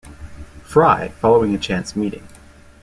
Fry, following a chance meeting.